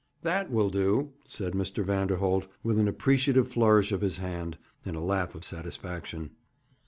'That will do,' said Mr. Vanderholt, with an appreciative flourish of his hand, and a laugh of satisfaction.